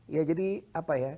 ya jadi apa ya